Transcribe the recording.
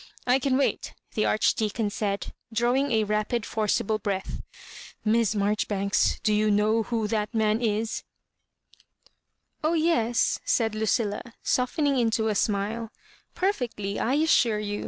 I can wait/' the Archdeacon said, drawing a rapid forcible breath. ''Miss Marjoribanka, do you know who that man is V* " Oh yes," said Lucilla, softening into a. smile, " Perfectly, I assure you.